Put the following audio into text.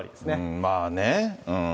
まあね。